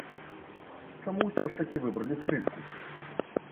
Чаму ўсё ж такі выбралі скрыпку?